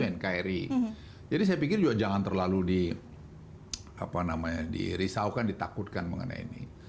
yang kri jadi saya pikir juga jangan terlalu di apa namanya dirisaukan ditakutkan mengenai ini